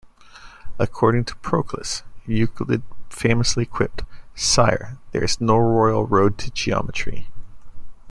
According to Proclus Euclid famously quipped: Sire, there is no Royal Road to geometry.